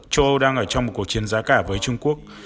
châu âu đang ở trong một cuộc chiến giá cả với trung quốc